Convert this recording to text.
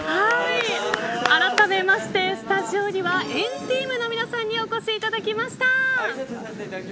あらためまして、スタジオには＆ＴＥＡＭの皆さんにお越しいただきました。